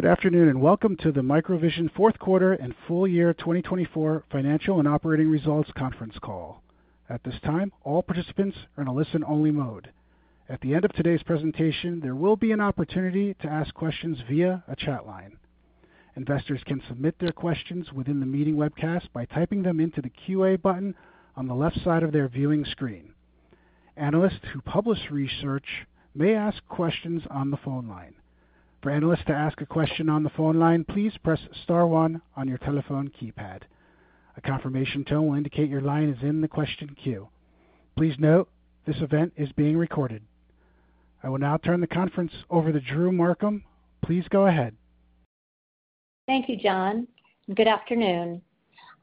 Good afternoon and welcome to the MicroVision Fourth Quarter and Full Year 2024 Financial and Operating Results Conference Call. At this time, all participants are in a listen-only mode. At the end of today's presentation, there will be an opportunity to ask questions via a chat line. Investors can submit their questions within the meeting webcast by typing them into the QA button on the left side of their viewing screen. Analysts who publish research may ask questions on the phone line. For analysts to ask a question on the phone line, please press star one on your telephone keypad. A confirmation tone will indicate your line is in the question queue. Please note this event is being recorded. I will now turn the conference over to Drew Markham. Please go ahead. Thank you, John. Good afternoon.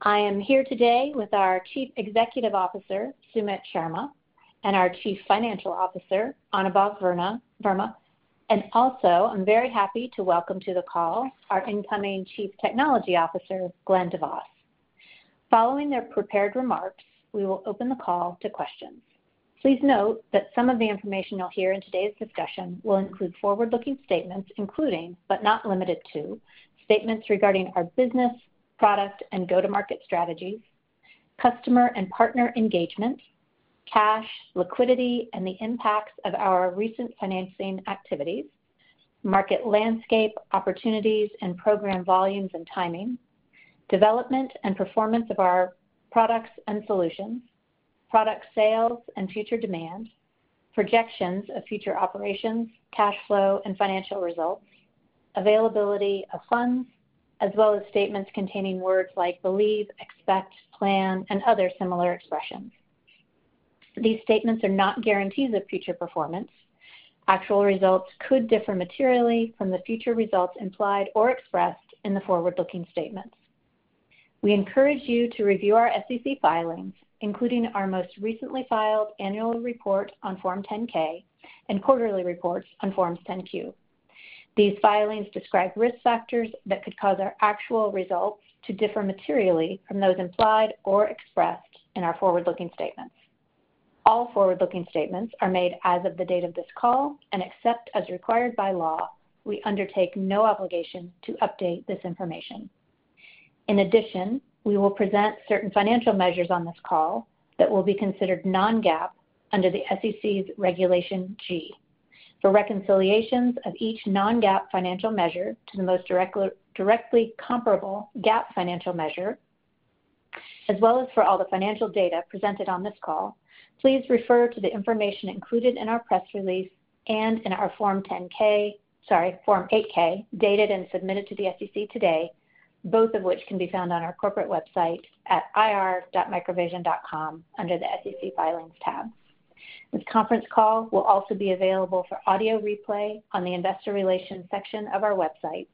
I am here today with our Chief Executive Officer, Sumit Sharma, and our Chief Financial Officer, Anubhav Verma, and also I'm very happy to welcome to the call our Incoming Chief Technology Officer, Glen DeVos. Following their prepared remarks, we will open the call to questions. Please note that some of the information you'll hear in today's discussion will include forward-looking statements, including, but not limited to, statements regarding our business, product, and go-to-market strategies, customer and partner engagement, cash liquidity, and the impacts of our recent financing activities, market landscape, opportunities, and program volumes and timing, development and performance of our products and solutions, product sales and future demand, projections of future operations, cash flow, and financial results, availability of funds, as well as statements containing words like believe, expect, plan, and other similar expressions. These statements are not guarantees of future performance. Actual results could differ materially from the future results implied or expressed in the forward-looking statements. We encourage you to review our SEC filings, including our most recently filed annual report on Form 10-K and quarterly reports on Forms 10-Q. These filings describe risk factors that could cause our actual results to differ materially from those implied or expressed in our forward-looking statements. All forward-looking statements are made as of the date of this call and, except as required by law, we undertake no obligation to update this information. In addition, we will present certain financial measures on this call that will be considered non-GAAP under the SEC's Regulation G for reconciliations of each non-GAAP financial measure to the most directly comparable GAAP financial measure, as well as for all the financial data presented on this call. Please refer to the information included in our press release and in our Form 10-K, sorry, Form 8-K, dated and submitted to the SEC today, both of which can be found on our corporate website at ir.microvision.com under the SEC filings tab. This conference call will also be available for audio replay on the investor relations section of our website.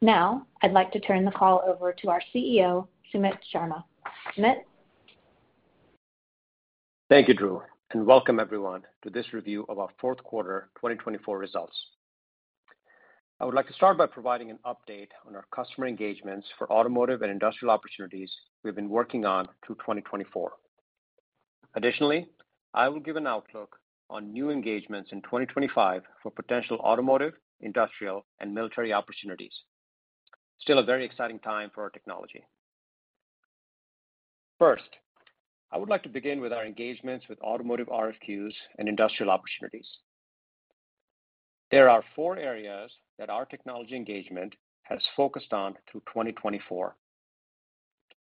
Now, I'd like to turn the call over to our CEO, Sumit Sharma. Sumit. Thank you, Drew, and welcome everyone to this review of our Fourth Quarter 2024 results. I would like to start by providing an update on our customer engagements for automotive and industrial opportunities we have been working on through 2024. Additionally, I will give an outlook on new engagements in 2025 for potential automotive, industrial, and military opportunities. Still a very exciting time for our technology. First, I would like to begin with our engagements with automotive RFQs and industrial opportunities. There are four areas that our technology engagement has focused on through 2024.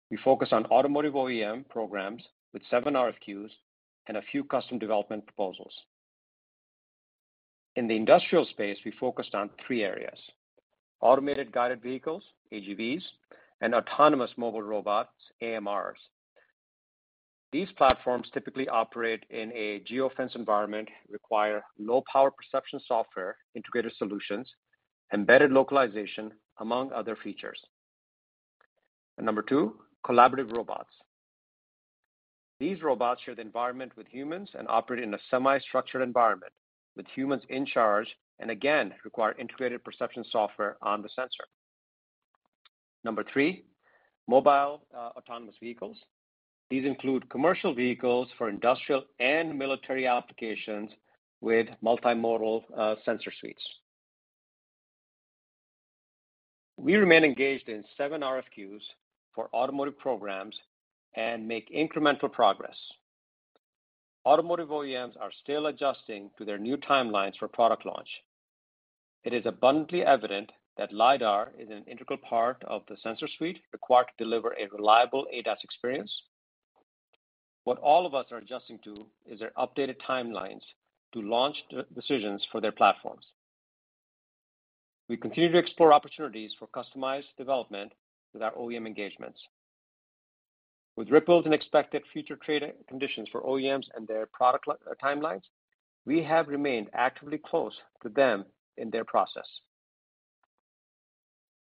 We focus on automotive OEM programs with seven RFQs and a few custom development proposals. In the industrial space, we focused on three areas: automated guided vehicles, AGVs, and autonomous mobile robots, AMRs. These platforms typically operate in a geofence environment, require low-power perception software, integrated solutions, embedded localization, among other features. Number two, collaborative robots. These robots share the environment with humans and operate in a semi-structured environment with humans in charge and, again, require integrated perception software on the sensor. Number three, mobile autonomous vehicles. These include commercial vehicles for industrial and military applications with multimodal sensor suites. We remain engaged in seven RFQs for automotive programs and make incremental progress. Automotive OEMs are still adjusting to their new timelines for product launch. It is abundantly evident that LiDAR is an integral part of the sensor suite required to deliver a reliable ADAS experience. What all of us are adjusting to is their updated timelines to launch decisions for their platforms. We continue to explore opportunities for customized development with our OEM engagements. With ripples in expected future trade conditions for OEMs and their product timelines, we have remained actively close to them in their process.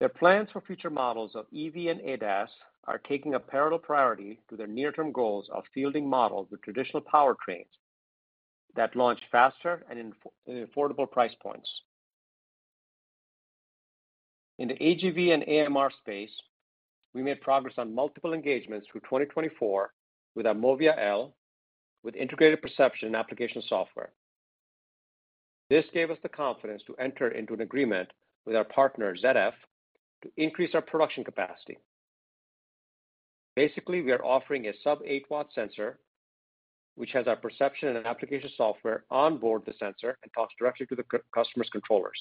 Their plans for future models of EV and ADAS are taking a parallel priority to their near-term goals of fielding models with traditional powertrains that launch faster and in affordable price points. In the AGV and AMR space, we made progress on multiple engagements through 2024 with our Movia L with integrated perception and application software. This gave us the confidence to enter into an agreement with our partner, ZF, to increase our production capacity. Basically, we are offering a sub-8-watt sensor, which has our perception and application software onboard the sensor and talks directly to the customer's controllers.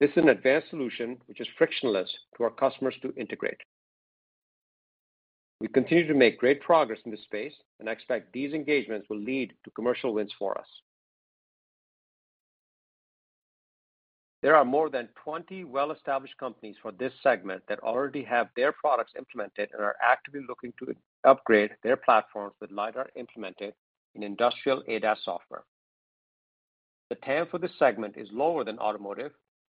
This is an advanced solution, which is frictionless to our customers to integrate. We continue to make great progress in this space, and I expect these engagements will lead to commercial wins for us. There are more than 20 well-established companies for this segment that already have their products implemented and are actively looking to upgrade their platforms with LiDAR implemented in industrial ADAS software. The TAM for this segment is lower than automotive,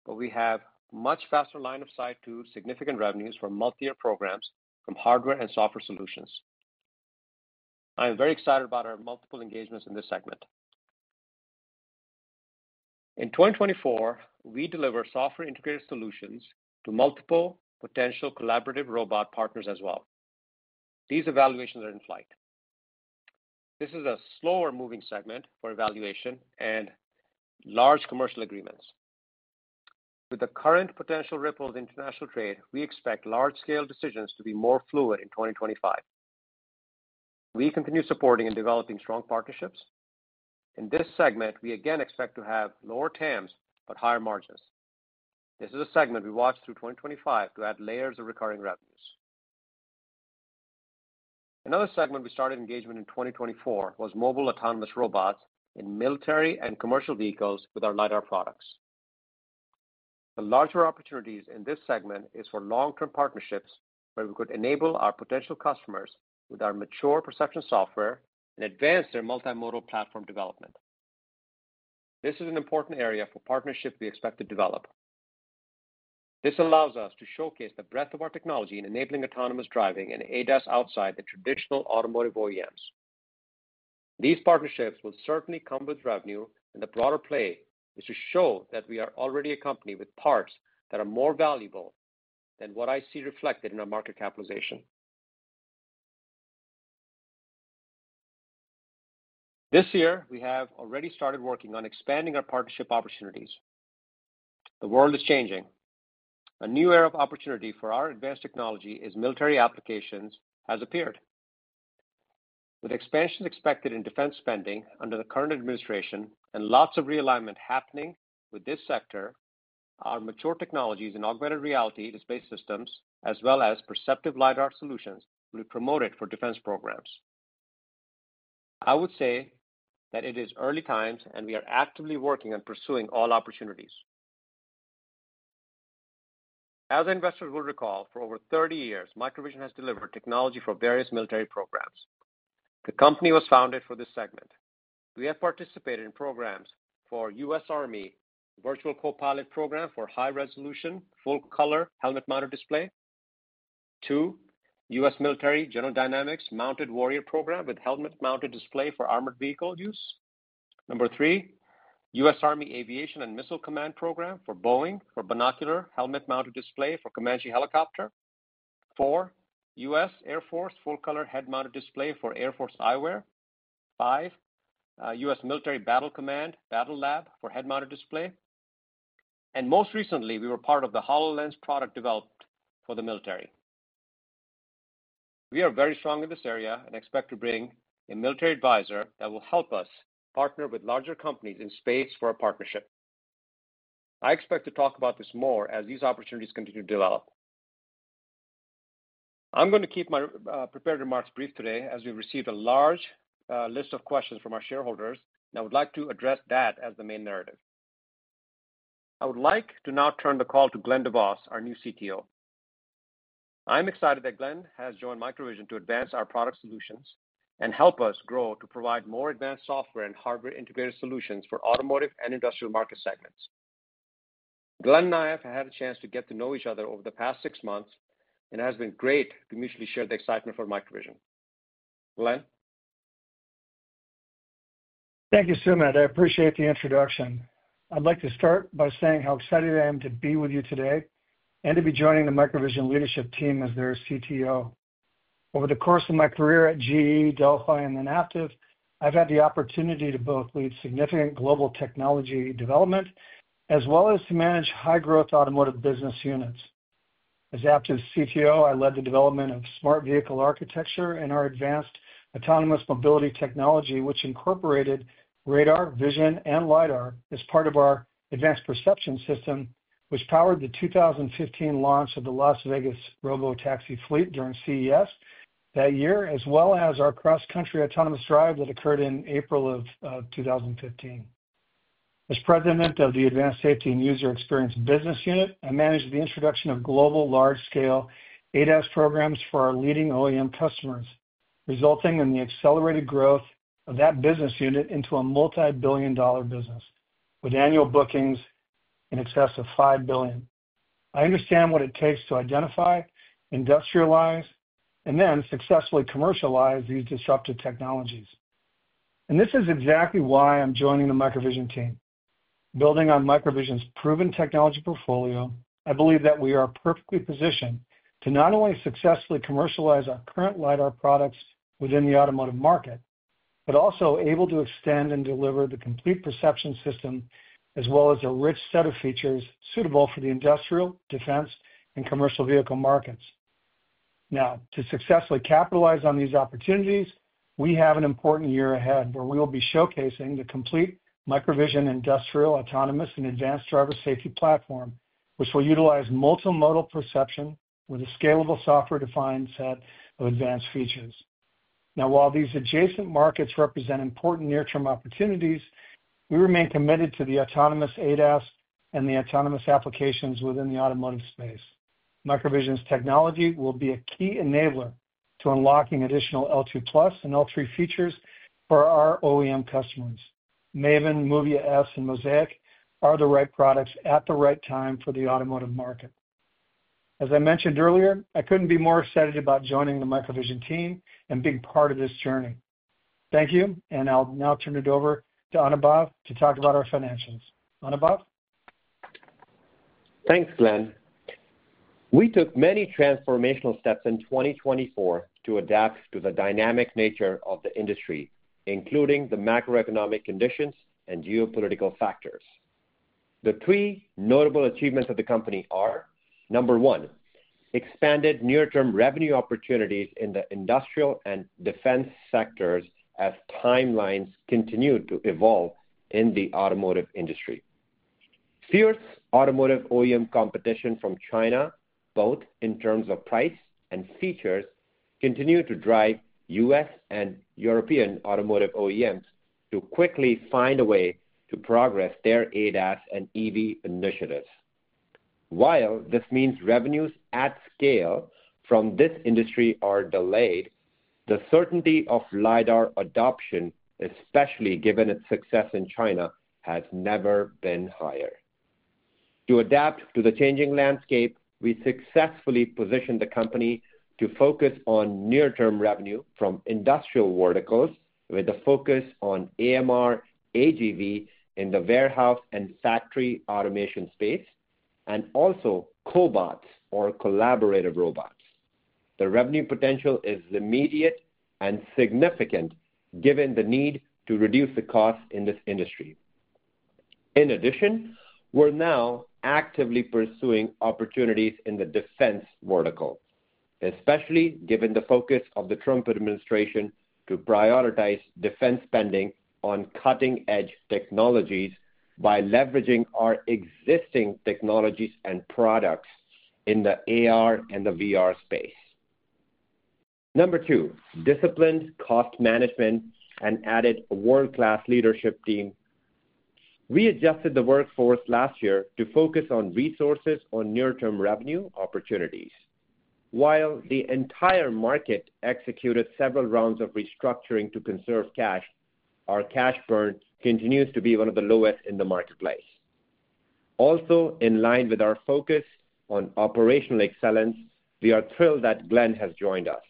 but we have a much faster line of sight to significant revenues for multi-year programs from hardware and software solutions. I'm very excited about our multiple engagements in this segment. In 2024, we deliver software-integrated solutions to multiple potential collaborative robot partners as well. These evaluations are in flight. This is a slower-moving segment for evaluation and large commercial agreements. With the current potential ripples in international trade, we expect large-scale decisions to be more fluid in 2025. We continue supporting and developing strong partnerships. In this segment, we again expect to have lower TAMs, but higher margins. This is a segment we watch through 2025 to add layers of recurring revenues. Another segment we started engagement in 2024 was mobile autonomous robots in military and commercial vehicles with our LiDAR products. The larger opportunities in this segment are for long-term partnerships where we could enable our potential customers with our mature perception software and advance their multimodal platform development. This is an important area for partnerships we expect to develop. This allows us to showcase the breadth of our technology in enabling autonomous driving and ADAS outside the traditional automotive OEMs. These partnerships will certainly come with revenue, and the broader play is to show that we are already a company with parts that are more valuable than what I see reflected in our market capitalization. This year, we have already started working on expanding our partnership opportunities. The world is changing. A new era of opportunity for our advanced technology in military applications has appeared. With expansions expected in defense spending under the current administration and lots of realignment happening with this sector, our mature technologies in augmented reality display systems, as well as perception LiDAR solutions, will be promoted for defense programs. I would say that it is early times, and we are actively working on pursuing all opportunities. As investors will recall, for over 30 years, MicroVision has delivered technology for various military programs. The company was founded for this segment. We have participated in programs for U.S. Army Virtual Co-Pilot Program for high-resolution, full-color helmet-mounted display. Two, U.S. Military General Dynamics Mounted Warrior Program with helmet-mounted display for armored vehicle use. Number three, U.S. Army Aviation and Missile Command Program for Boeing for binocular helmet-mounted display for Comanche Helicopter. Four, U.S. Air Force full-color head-mounted display for Air Force eyewear. Five, U.S. Military Battle Command Battle Lab for head-mounted display. And most recently, we were part of the HoloLens product developed for the military. We are very strong in this area and expect to bring a military advisor that will help us partner with larger companies in space for a partnership. I expect to talk about this more as these opportunities continue to develop. I'm going to keep my prepared remarks brief today as we received a large list of questions from our shareholders, and I would like to address that as the main narrative. I would like to now turn the call to Glen DeVos, our new CTO. I'm excited that Glen has joined MicroVision to advance our product solutions and help us grow to provide more advanced software and hardware-integrated solutions for automotive and industrial market segments. Glen and I have had a chance to get to know each other over the past six months, and it has been great to mutually share the excitement for MicroVision. Glen. Thank you, Sumit. I appreciate the introduction. I'd like to start by saying how excited I am to be with you today and to be joining the MicroVision leadership team as their CTO. Over the course of my career at GE, Delphi, and then Aptiv, I've had the opportunity to both lead significant global technology development as well as to manage high-growth automotive business units. As Aptiv's CTO, I led the development of smart vehicle architecture and our advanced autonomous mobility technology, which incorporated radar, vision, and LiDAR as part of our advanced perception system, which powered the 2015 launch of the Las Vegas Robotaxi fleet during CES that year, as well as our cross-country autonomous drive that occurred in April of 2015. As President of the Advanced Safety and User Experience Business Unit, I managed the introduction of global large-scale ADAS programs for our leading OEM customers, resulting in the accelerated growth of that business unit into a multi-billion-dollar business with annual bookings in excess of $5 billion. I understand what it takes to identify, industrialize, and then successfully commercialize these disruptive technologies. This is exactly why I'm joining the MicroVision team. Building on MicroVision's proven technology portfolio, I believe that we are perfectly positioned to not only successfully commercialize our current LiDAR products within the automotive market, but also able to extend and deliver the complete perception system as well as a rich set of features suitable for the industrial, defense, and commercial vehicle markets. Now, to successfully capitalize on these opportunities, we have an important year ahead where we will be showcasing the complete MicroVision industrial autonomous and advanced driver safety platform, which will utilize multimodal perception with a scalable software-defined set of advanced features. Now, while these adjacent markets represent important near-term opportunities, we remain committed to the autonomous ADAS and the autonomous applications within the automotive space. MicroVision's technology will be a key enabler to unlocking additional L2 plus and L3 features for our OEM customers. Maven, Movia S, and Mosaic are the right products at the right time for the automotive market. As I mentioned earlier, I couldn't be more excited about joining the MicroVision team and being part of this journey. Thank you, and I'll now turn it over to Anubhav to talk about our financials. Anubhav. Thanks, Glen. We took many transformational steps in 2024 to adapt to the dynamic nature of the industry, including the macroeconomic conditions and geopolitical factors. The three notable achievements of the company are: number one, expanded near-term revenue opportunities in the industrial and defense sectors as timelines continue to evolve in the automotive industry. Fierce automotive OEM competition from China, both in terms of price and features, continues to drive U.S. and European automotive OEMs to quickly find a way to progress their ADAS and EV initiatives. While this means revenues at scale from this industry are delayed, the certainty of LiDAR adoption, especially given its success in China, has never been higher. To adapt to the changing landscape, we successfully positioned the company to focus on near-term revenue from industrial verticals with a focus on AMR, AGV in the warehouse and factory automation space, and also cobots or collaborative robots. The revenue potential is immediate and significant given the need to reduce the cost in this industry. In addition, we're now actively pursuing opportunities in the defense vertical, especially given the focus of the Trump administration to prioritize defense spending on cutting-edge technologies by leveraging our existing technologies and products in the AR and the VR space. Number two, disciplined cost management and added world-class leadership team. We adjusted the workforce last year to focus on resources on near-term revenue opportunities. While the entire market executed several rounds of restructuring to conserve cash, our cash burn continues to be one of the lowest in the marketplace. Also, in line with our focus on operational excellence, we are thrilled that Glen has joined us.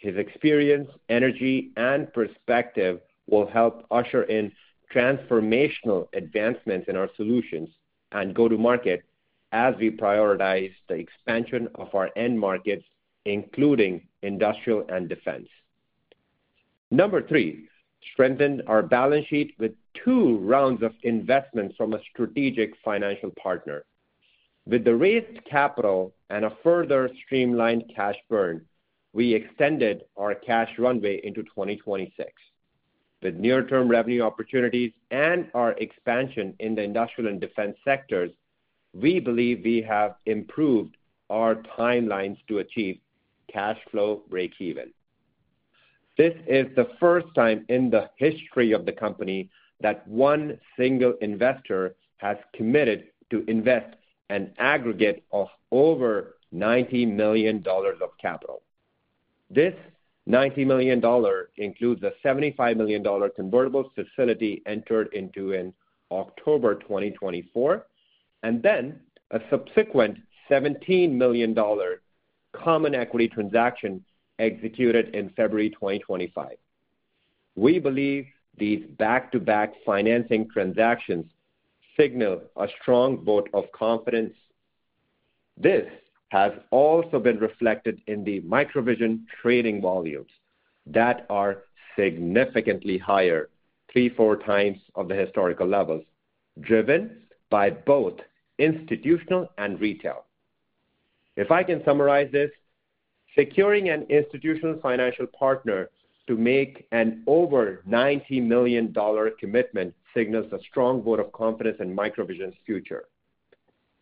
His experience, energy, and perspective will help usher in transformational advancements in our solutions and go-to-market as we prioritize the expansion of our end markets, including industrial and defense. Number three, strengthened our balance sheet with two rounds of investments from a strategic financial partner. With the raised capital and a further streamlined cash burn, we extended our cash runway into 2026. With near-term revenue opportunities and our expansion in the industrial and defense sectors, we believe we have improved our timelines to achieve cash flow breakeven. This is the first time in the history of the company that one single investor has committed to invest an aggregate of over $90 million of capital. This $90 million includes a $75 million convertible facility entered into in October 2024, and then a subsequent $17 million common equity transaction executed in February 2025. We believe these back-to-back financing transactions signal a strong vote of confidence. This has also been reflected in the MicroVision trading volumes that are significantly higher, three, four times of the historical levels, driven by both institutional and retail. If I can summarize this, securing an institutional financial partner to make an over $90 million commitment signals a strong vote of confidence in MicroVision's future.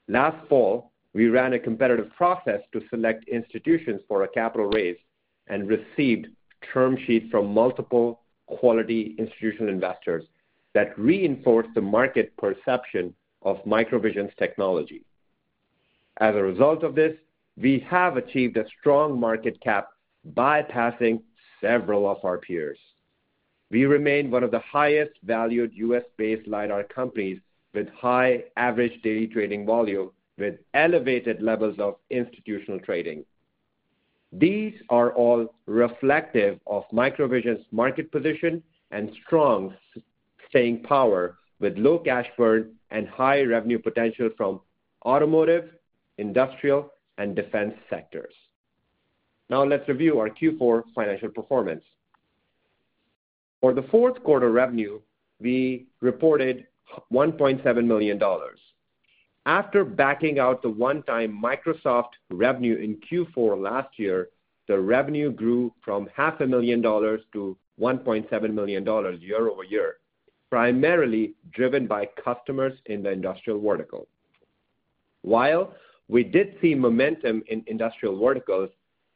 Last fall, we ran a competitive process to select institutions for a capital raise and received term sheets from multiple quality institutional investors that reinforced the market perception of MicroVision's technology. As a result of this, we have achieved a strong market cap, bypassing several of our peers. We remain one of the highest-valued U.S.-based LiDAR companies with high average daily trading volume, with elevated levels of institutional trading. These are all reflective of MicroVision's market position and strong staying power with low cash burn and high revenue potential from automotive, industrial, and defense sectors. Now, let's review our Q4 financial performance. For the fourth quarter revenue, we reported $1.7 million. After backing out the one-time Microsoft revenue in Q4 last year, the revenue grew from $500,000-$1.7 million year-over-year, primarily driven by customers in the industrial vertical. While we did see momentum in industrial verticals,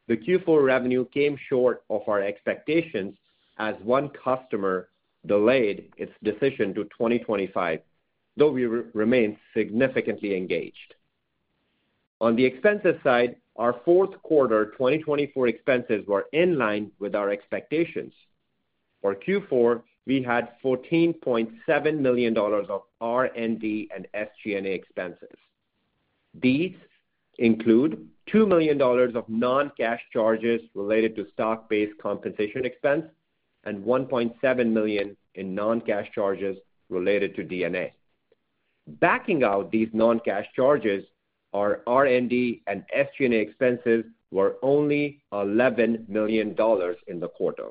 the Q4 revenue came short of our expectations as one customer delayed its decision to 2025, though we remained significantly engaged. On the expenses side, our fourth quarter 2024 expenses were in line with our expectations. For Q4, we had $14.7 million of R&D and SG&A expenses. These include $2 million of non-cash charges related to stock-based compensation expense and $1.7 million in non-cash charges related to D&A. Backing out these non-cash charges, our R&D and SG&A expenses were only $11 million in the quarter.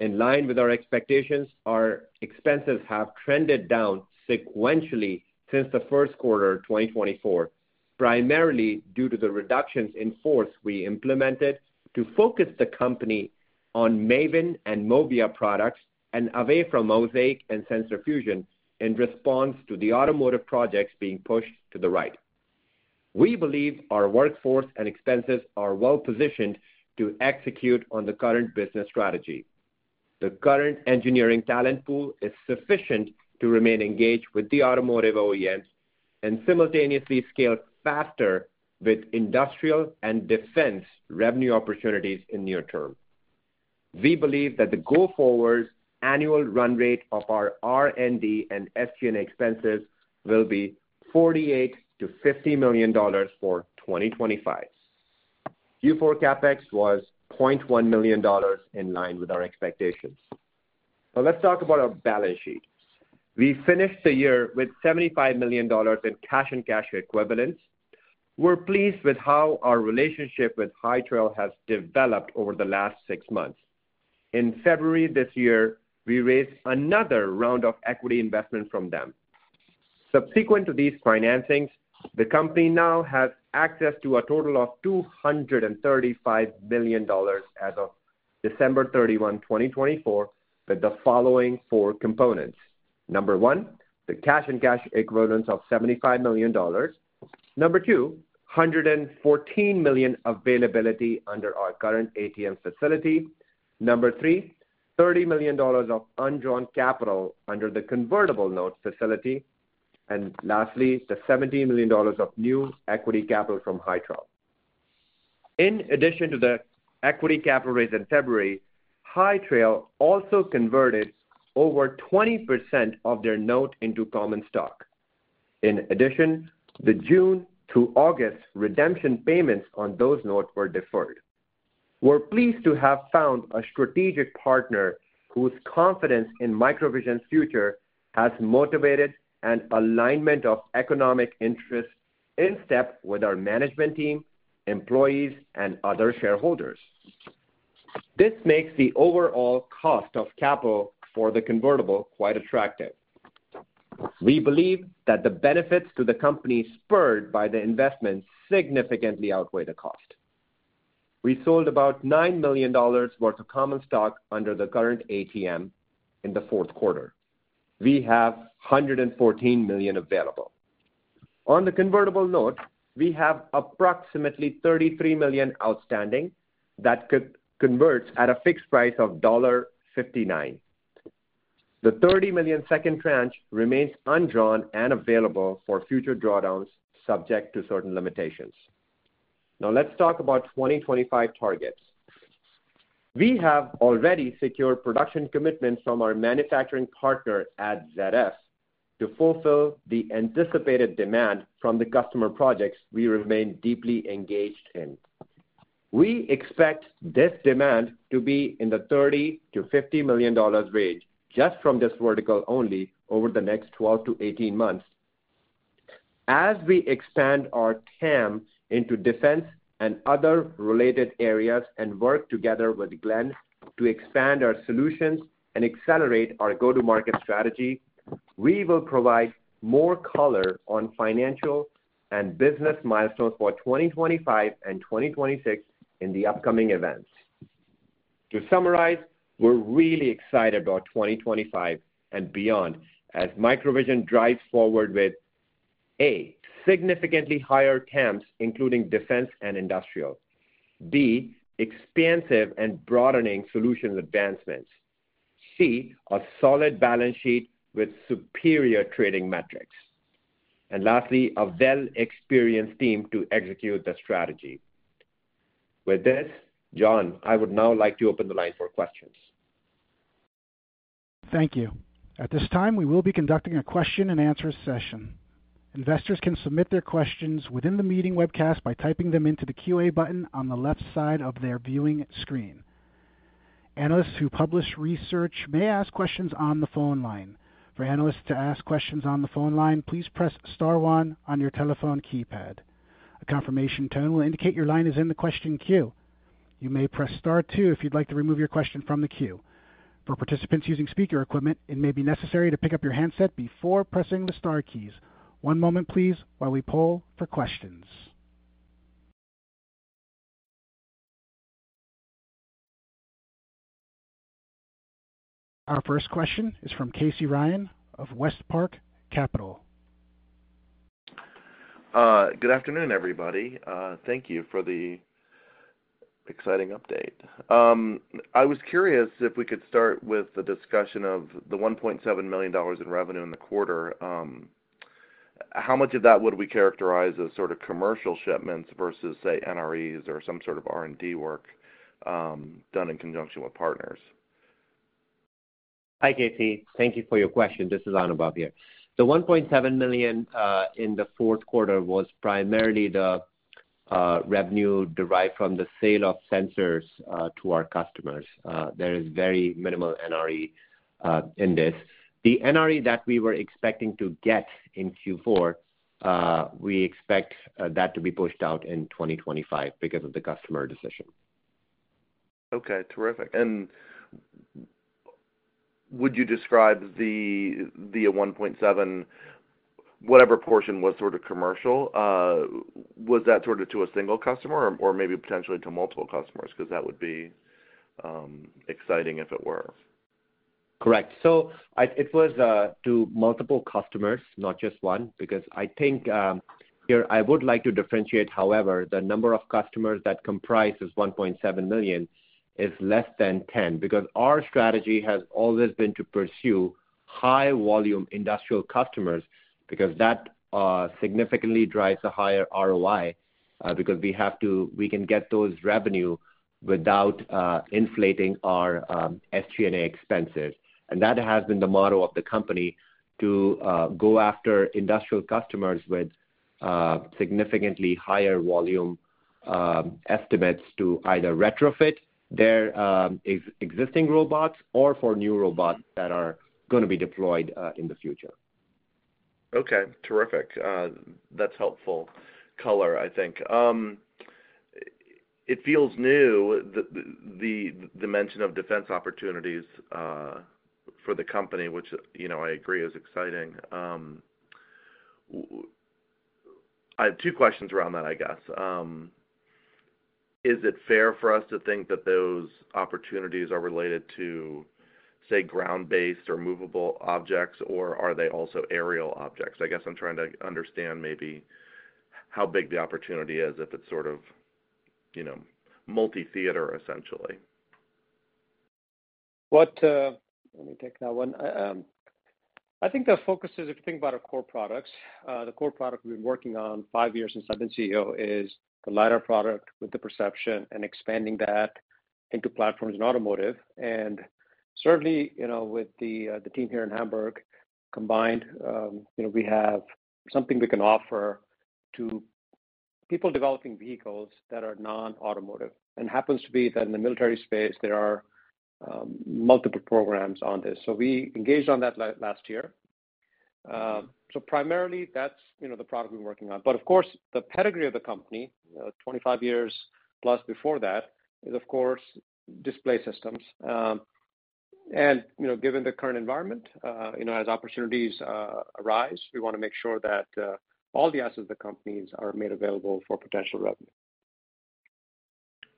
In line with our expectations, our expenses have trended down sequentially since the first quarter of 2024, primarily due to the reductions in force we implemented to focus the company on Maven and Movia products and away from Mosaic and Sensor Fusion in response to the automotive projects being pushed to the right. We believe our workforce and expenses are well-positioned to execute on the current business strategy. The current engineering talent pool is sufficient to remain engaged with the automotive OEMs and simultaneously scale faster with industrial and defense revenue opportunities in near term. We believe that the go-forward annual run rate of our R&D and SG&A expenses will be $48 million-$50 million for 2025. Q4 CapEx was $0.1 million in line with our expectations. Now, let's talk about our balance sheet. We finished the year with $75 million in cash and cash equivalents. We're pleased with how our relationship with High Trail has developed over the last six months. In February this year, we raised another round of equity investment from them. Subsequent to these financings, the company now has access to a total of $235 million as of December 31, 2024, with the following four components: number one, the cash and cash equivalents of $75 million; number two, $114 million availability under our current ATM facility; number three, $30 million of undrawn capital under the convertible note facility; and lastly, the $17 million of new equity capital from High Trail. In addition to the equity capital raised in February, High Trail also converted over 20% of their note into common stock. In addition, the June-August redemption payments on those notes were deferred. We're pleased to have found a strategic partner whose confidence in MicroVision's future has motivated an alignment of economic interests in step with our management team, employees, and other shareholders. This makes the overall cost of capital for the convertible quite attractive. We believe that the benefits to the company spurred by the investment significantly outweigh the cost. We sold about $9 million worth of common stock under the current ATM in the fourth quarter. We have $114 million available. On the convertible note, we have approximately $33 million outstanding that could convert at a fixed price of $1.59. The $30 million second tranche remains undrawn and available for future drawdowns subject to certain limitations. Now, let's talk about 2025 targets. We have already secured production commitments from our manufacturing partner at ZF to fulfill the anticipated demand from the customer projects we remain deeply engaged in. We expect this demand to be in the $30 million-$50 million range just from this vertical only over the next 12 months-18 months. As we expand our TAM into defense and other related areas and work together with Glen to expand our solutions and accelerate our go-to-market strategy, we will provide more color on financial and business milestones for 2025 and 2026 in the upcoming events. To summarize, we're really excited about 2025 and beyond as MicroVision drives forward with: A, significantly higher TAMs, including defense and industrial; B, expansive and broadening solution advancements; C, a solid balance sheet with superior trading metrics; and lastly, a well-experienced team to execute the strategy. With this, John, I would now like to open the line for questions. Thank you. At this time, we will be conducting a question and answer session. Investors can submit their questions within the meeting webcast by typing them into the QA button on the left side of their viewing screen. Analysts who publish research may ask questions on the phone line. For analysts to ask questions on the phone line, please press star one on your telephone keypad. A confirmation tone will indicate your line is in the question queue. You may press star two if you'd like to remove your question from the queue. For participants using speaker equipment, it may be necessary to pick up your handset before pressing the star keys. One moment, please, while we poll for questions. Our first question is from Casey Ryan of WestPark Capital. Good afternoon, everybody. Thank you for the exciting update. I was curious if we could start with the discussion of the $1.7 million in revenue in the quarter. How much of that would we characterize as sort of commercial shipments versus, say, NREs or some sort of R&D work done in conjunction with partners? Hi, Casey. Thank you for your question. This is Anubhav here. The $1.7 million in the fourth quarter was primarily the revenue derived from the sale of sensors to our customers. There is very minimal NRE in this. The NRE that we were expecting to get in Q4, we expect that to be pushed out in 2025 because of the customer decision. Okay. Terrific. Would you describe the $1.7 million, whatever portion was sort of commercial, was that sort of to a single customer or maybe potentially to multiple customers? Because that would be exciting if it were. Correct. It was to multiple customers, not just one, because I think here I would like to differentiate, however, the number of customers that comprise this $1.7 million is less than 10 because our strategy has always been to pursue high-volume industrial customers because that significantly drives a higher ROI because we can get those revenues without inflating our SG&A expenses. That has been the motto of the company to go after industrial customers with significantly higher volume estimates to either retrofit their existing robots or for new robots that are going to be deployed in the future. Okay. Terrific. That's helpful color, I think. It feels new, the mention of defense opportunities for the company, which I agree is exciting. I have two questions around that, I guess. Is it fair for us to think that those opportunities are related to, say, ground-based or movable objects, or are they also aerial objects? I guess I'm trying to understand maybe how big the opportunity is if it's sort of multi-theater, essentially. Let me take that one. I think the focus is, if you think about our core products, the core product we've been working on five years since I've been CEO is the LiDAR product with the perception and expanding that into platforms in automotive. Certainly, with the team here in Hamburg combined, we have something we can offer to people developing vehicles that are non-automotive. It happens to be that in the military space, there are multiple programs on this. We engaged on that last year. Primarily, that's the product we're working on. Of course, the pedigree of the company, 25 years plus before that, is, of course, display systems. Given the current environment, as opportunities arise, we want to make sure that all the assets of the companies are made available for potential revenue.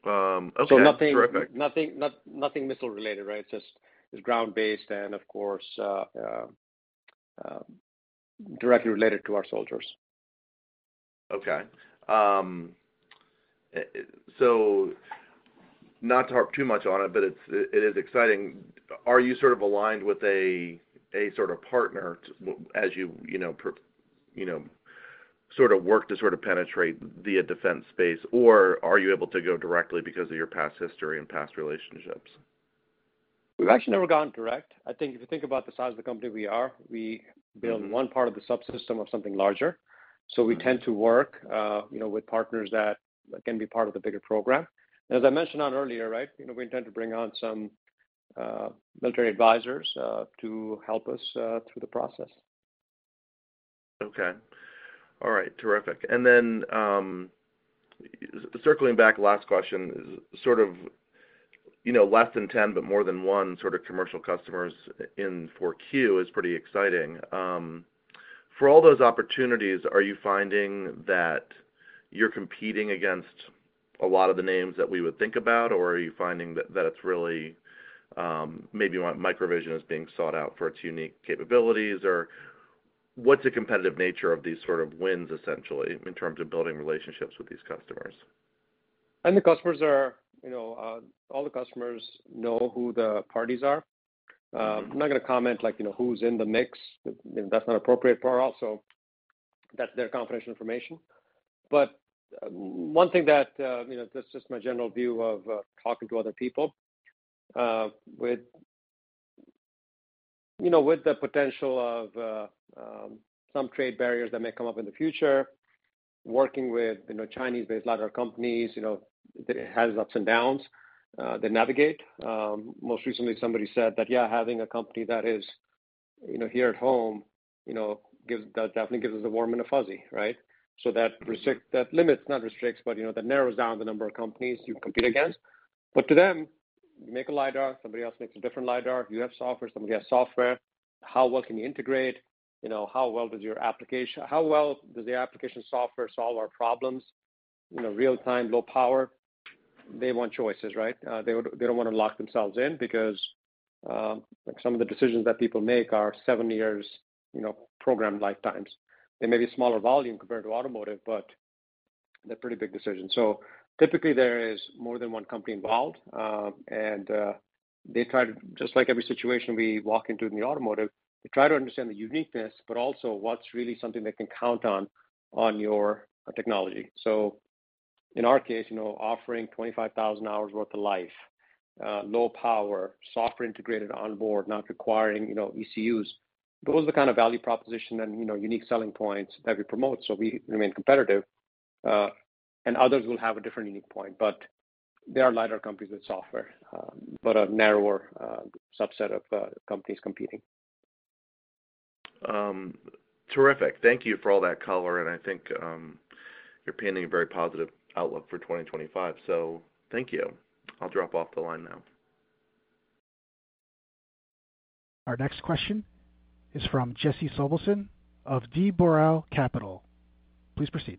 Okay. Terrific. Nothing missile-related, right? It's just ground-based and, of course, directly related to our soldiers. Okay. Not to harp too much on it, but it is exciting. Are you sort of aligned with a sort of partner as you sort of work to sort of penetrate the defense space, or are you able to go directly because of your past history and past relationships? We've actually never gone direct. I think if you think about the size of the company we are, we build one part of the subsystem of something larger. We tend to work with partners that can be part of the bigger program. As I mentioned earlier, right, we intend to bring on some military advisors to help us through the process. Okay. All right. Terrific. Circling back, last question, sort of less than 10 but more than one sort of commercial customers in for Q is pretty exciting. For all those opportunities, are you finding that you're competing against a lot of the names that we would think about, or are you finding that it's really maybe MicroVision is being sought out for its unique capabilities, or what's the competitive nature of these sort of wins, essentially, in terms of building relationships with these customers? The customers are all the customers know who the parties are. I'm not going to comment who's in the mix. That's not appropriate for us. That's their confidential information. One thing that's just my general view of talking to other people, with the potential of some trade barriers that may come up in the future, working with Chinese-based LiDAR companies, it has ups and downs to navigate. Most recently, somebody said that, yeah, having a company that is here at home definitely gives us a warm and a fuzzy, right? That limits, not restricts, but that narrows down the number of companies you compete against. To them, you make a LiDAR, somebody else makes a different LiDAR, you have software, somebody has software, how well can you integrate, how well does your application, how well does the application software solve our problems? Real-time, low power, they want choices, right? They do not want to lock themselves in because some of the decisions that people make are seven years program lifetimes. They may be smaller volume compared to automotive, but they are pretty big decisions. Typically, there is more than one company involved, and they try to, just like every situation we walk into in the automotive, they try to understand the uniqueness, but also what is really something they can count on your technology. In our case, offering 25,000 hours' worth of life, low power, software integrated on board, not requiring ECUs, those are the kind of value proposition and unique selling points that we promote so we remain competitive. Others will have a different unique point, but there are LiDAR companies with software, but a narrower subset of companies competing. Terrific. Thank you for all that color, and I think you're painting a very positive outlook for 2025. Thank you. I'll drop off the line now. Our next question is from Jesse Sobelson of D. Boral Capital. Please proceed.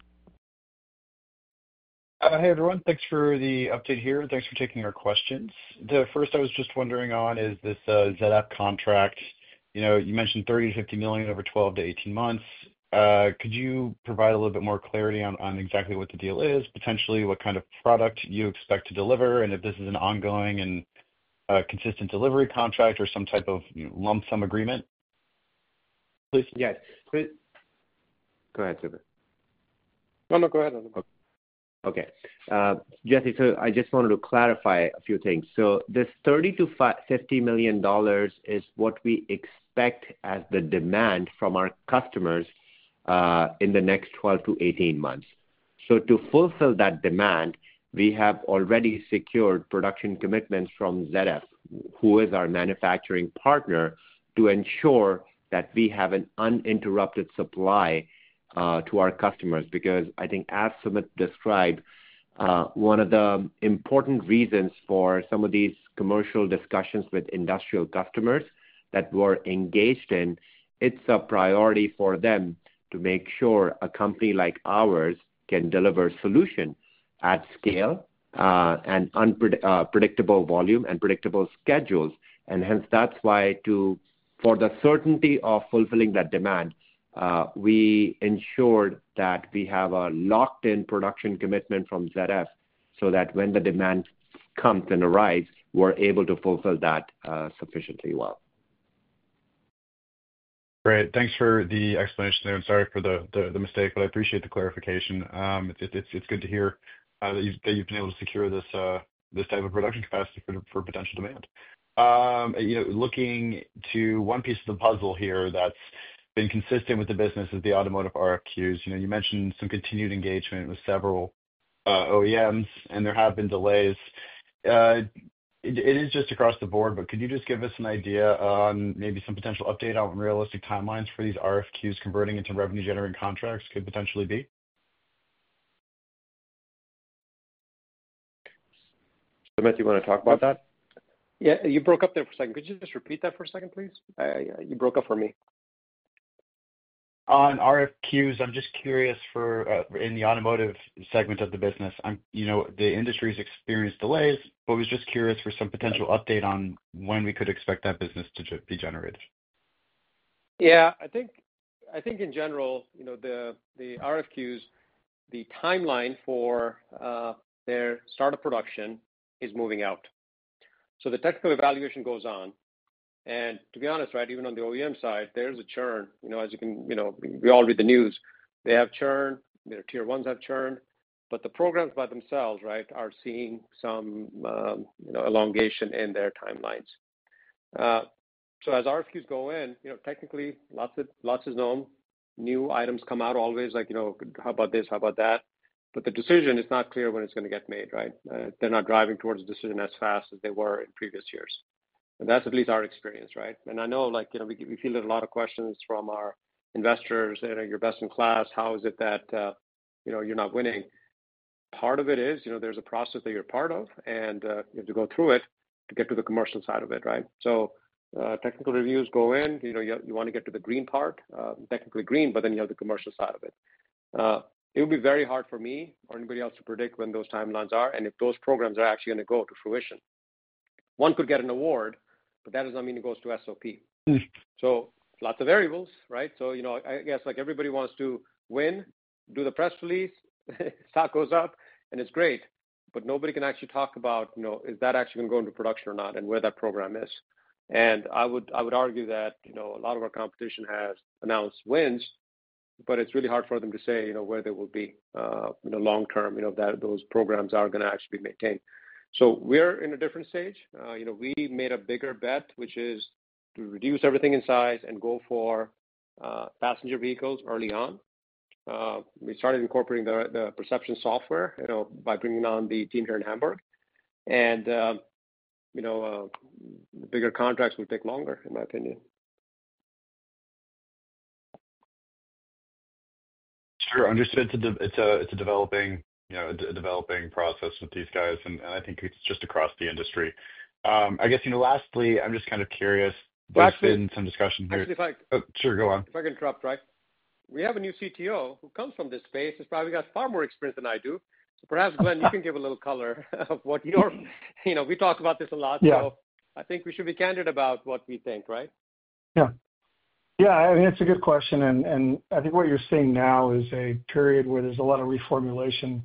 Hi everyone. Thanks for the update here, and thanks for taking our questions. The first I was just wondering on is this ZF contract, you mentioned $30 million-$50 million over 12 months-18 months. Could you provide a little bit more clarity on exactly what the deal is, potentially what kind of product you expect to deliver, and if this is an ongoing and consistent delivery contract or some type of lump sum agreement? Please? Yes. Go ahead, Sumit. No, no, go ahead. Okay. Jesse, so I just wanted to clarify a few things. This $30 million-$50 million is what we expect as the demand from our customers in the next 12 months-18 months. To fulfill that demand, we have already secured production commitments from ZF, who is our manufacturing partner, to ensure that we have an uninterrupted supply to our customers. I think, as Sumit described, one of the important reasons for some of these commercial discussions with industrial customers that we're engaged in, it's a priority for them to make sure a company like ours can deliver solutions at scale and predictable volume and predictable schedules. Hence, for the certainty of fulfilling that demand, we ensured that we have a locked-in production commitment from ZF so that when the demand comes and arrives, we're able to fulfill that sufficiently well. Great. Thanks for the explanation there. I'm sorry for the mistake, but I appreciate the clarification. It's good to hear that you've been able to secure this type of production capacity for potential demand. Looking to one piece of the puzzle here that's been consistent with the business is the automotive RFQs. You mentioned some continued engagement with several OEMs, and there have been delays. It is just across the board, but could you just give us an idea on maybe some potential update on realistic timelines for these RFQs converting into revenue-generating contracts could potentially be? Sumit, do you want to talk about that? Yeah. You broke up there for a second. Could you just repeat that for a second, please? You broke up for me. RFQs, I'm just curious for in the automotive segment of the business, the industry's experienced delays, but was just curious for some potential update on when we could expect that business to be generated. Yeah. I think in general, the RFQs, the timeline for their startup production is moving out. The technical evaluation goes on. To be honest, right, even on the OEM side, there is a churn. As you can, we all read the news. They have churned. Their tier ones have churned. The programs by themselves, right, are seeing some elongation in their timelines. As RFQs go in, technically, lots is known. New items come out always like, "How about this? How about that?" The decision is not clear when it is going to get made, right? They are not driving towards a decision as fast as they were in previous years. That is at least our experience, right? I know we feel there are a lot of questions from our investors, "You are best in class. How is it that you're not winning? Part of it is there's a process that you're part of, and you have to go through it to get to the commercial side of it, right? Technical reviews go in. You want to get to the green part, technically green, but then you have the commercial side of it. It would be very hard for me or anybody else to predict when those timelines are and if those programs are actually going to go to fruition. One could get an award, but that does not mean it goes to SOP. Lots of variables, right? I guess everybody wants to win, do the press release, stock goes up, and it's great. Nobody can actually talk about, "Is that actually going to go into production or not, and where that program is?" I would argue that a lot of our competition has announced wins, but it's really hard for them to say where they will be long-term, that those programs are going to actually be maintained. We are in a different stage. We made a bigger bet, which is to reduce everything in size and go for passenger vehicles early on. We started incorporating the perception software by bringing on the team here in Hamburg. The bigger contracts will take longer, in my opinion. Sure. Understood. It's a developing process with these guys, and I think it's just across the industry. I guess lastly, I'm just kind of curious. There's been some discussion here. Actually, if I. Oh, sure. Go on. If I can interrupt, right? We have a new CTO who comes from this space. He's probably got far more experience than I do. So perhaps, Glen, you can give a little color of what your we talk about this a lot, so I think we should be candid about what we think, right? Yeah. Yeah. I mean, it's a good question. I think what you're seeing now is a period where there's a lot of reformulation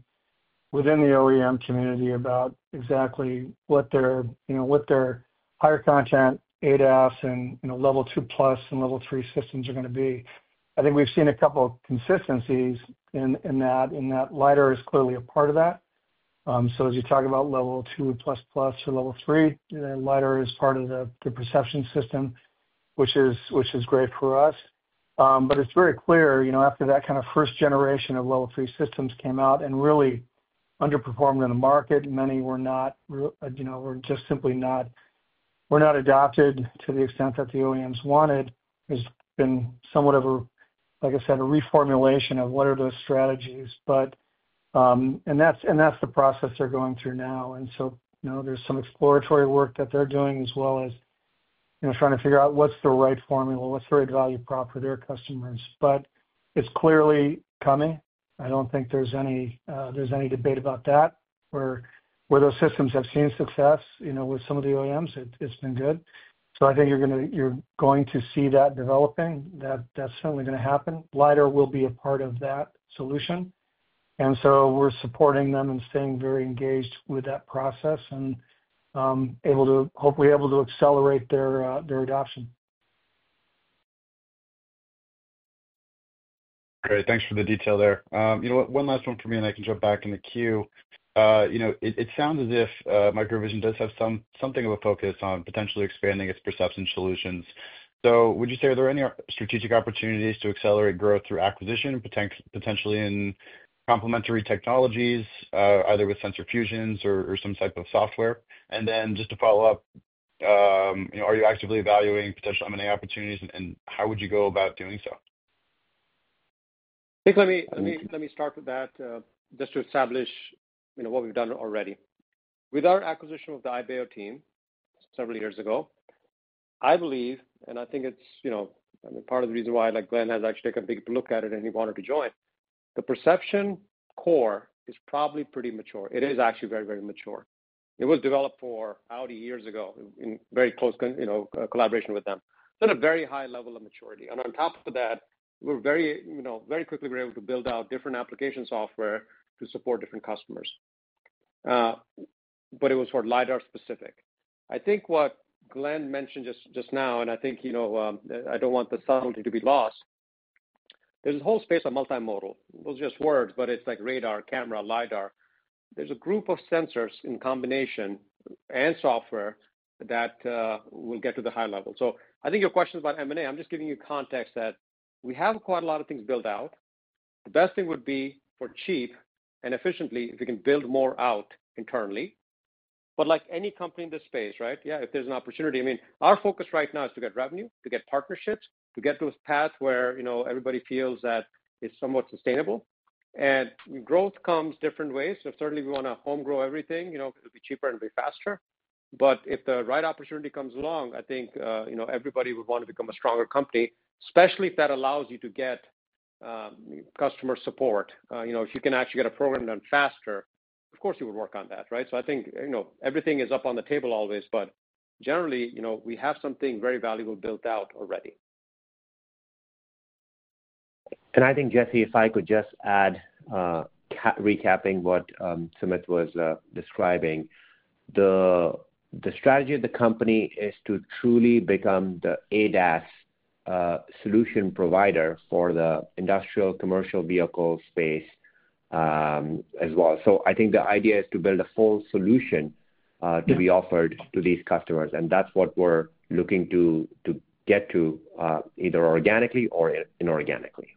within the OEM community about exactly what their higher content, ADAS, and level two plus and level three systems are going to be. I think we've seen a couple of consistencies in that. That LiDAR is clearly a part of that. As you talk about level two plus plus or level three, LiDAR is part of the perception system, which is great for us. It's very clear after that kind of first generation of level three systems came out and really underperformed in the market, many were just simply not adopted to the extent that the OEMs wanted. There's been somewhat of a, like I said, a reformulation of what are those strategies. That's the process they're going through now. There is some exploratory work that they are doing as well as trying to figure out what is the right formula, what is the right value prop for their customers. It is clearly coming. I do not think there is any debate about that. Where those systems have seen success with some of the OEMs, it has been good. I think you are going to see that developing. That is certainly going to happen. LiDAR will be a part of that solution. We are supporting them and staying very engaged with that process and hopefully able to accelerate their adoption. Great. Thanks for the detail there. One last one for me, and I can jump back in the queue. It sounds as if MicroVision does have something of a focus on potentially expanding its perception solutions. Would you say are there any strategic opportunities to accelerate growth through acquisition, potentially in complementary technologies, either with sensor fusions or some type of software? Just to follow up, are you actively evaluating potential M&A opportunities, and how would you go about doing so? I think let me start with that just to establish what we've done already. With our acquisition of the Ibeo team several years ago, I believe, and I think it's part of the reason why Glen has actually taken a big look at it and he wanted to join, the perception core is probably pretty mature. It is actually very, very mature. It was developed for Audi years ago in very close collaboration with them. At a very high level of maturity. On top of that, we very quickly were able to build out different application software to support different customers. It was for LiDAR specific. I think what Glen mentioned just now, and I think I don't want the subtlety to be lost, there's a whole space of multimodal. Those are just words, but it's like radar, camera, LiDAR. There's a group of sensors in combination and software that will get to the high level. I think your question about M&A, I'm just giving you context that we have quite a lot of things built out. The best thing would be for cheap and efficiently if we can build more out internally. Like any company in this space, right? Yeah, if there's an opportunity. I mean, our focus right now is to get revenue, to get partnerships, to get to a path where everybody feels that it's somewhat sustainable. Growth comes different ways. Certainly, we want to home grow everything. It'll be cheaper and it'll be faster. If the right opportunity comes along, I think everybody would want to become a stronger company, especially if that allows you to get customer support. If you can actually get a program done faster, of course you would work on that, right? I think everything is up on the table always, but generally, we have something very valuable built out already. I think, Jesse, if I could just add, recapping what Sumit was describing, the strategy of the company is to truly become the ADAS solution provider for the industrial commercial vehicle space as well. I think the idea is to build a full solution to be offered to these customers. That is what we're looking to get to either organically or inorganically.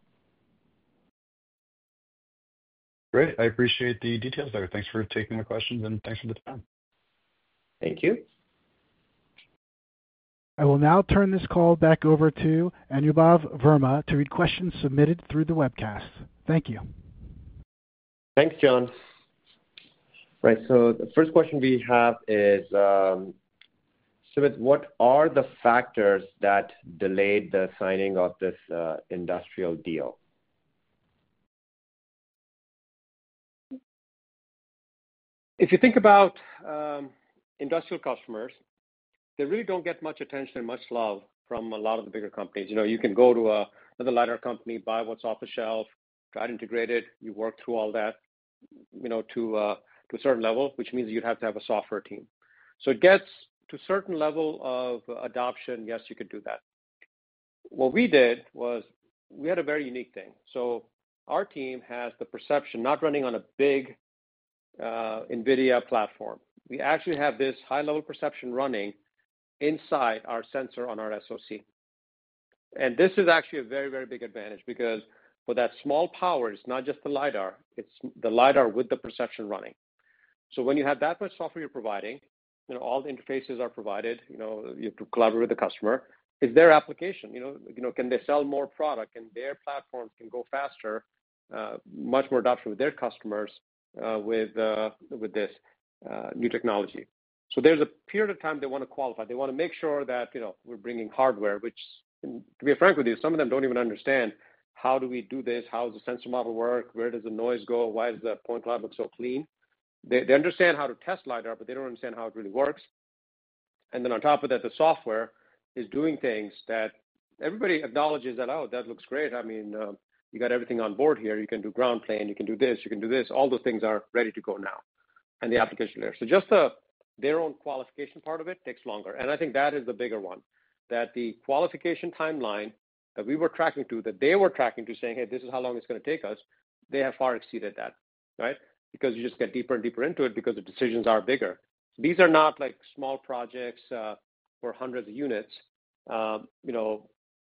Great. I appreciate the details there. Thanks for taking the questions, and thanks for the time. Thank you. I will now turn this call back over to Anubhav Verma to read questions submitted through the webcast. Thank you. Thanks, John. Right. The first question we have is, Sumit, what are the factors that delayed the signing of this industrial deal? If you think about industrial customers, they really do not get much attention and much love from a lot of the bigger companies. You can go to another LiDAR company, buy what is off the shelf, try to integrate it. You work through all that to a certain level, which means you would have to have a software team. It gets to a certain level of adoption, yes, you could do that. What we did was we had a very unique thing. Our team has the perception, not running on a big NVIDIA platform. We actually have this high-level perception running inside our sensor on our SOC. This is actually a very, very big advantage because for that small power, it is not just the LiDAR. It is the LiDAR with the perception running. When you have that much software you are providing, all the interfaces are provided. You have to collaborate with the customer. It's their application. Can they sell more product? Can their platforms go faster, much more adoption with their customers with this new technology? There is a period of time they want to qualify. They want to make sure that we're bringing hardware, which, to be frank with you, some of them don't even understand how do we do this? How does the sensor model work? Where does the noise go? Why does the point cloud look so clean? They understand how to test LiDAR, but they don't understand how it really works. On top of that, the software is doing things that everybody acknowledges that, "Oh, that looks great. I mean, you got everything on board here. You can do ground plane. You can do this. You can do this. All the things are ready to go now. The application layer, just their own qualification part of it takes longer. I think that is the bigger one, that the qualification timeline that we were tracking to, that they were tracking to, saying, "Hey, this is how long it's going to take us," they have far exceeded that, right? You just get deeper and deeper into it because the decisions are bigger. These are not small projects for hundreds of units.